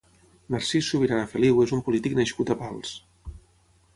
Narcís Subirana Feliu és un polític nascut a Pals.